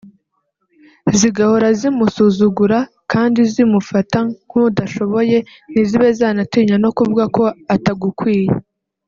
zigahora zimusuzugura kandi zimufata nk’udashoboye ntizibe zanatinya no kuvuga ko atagukwiye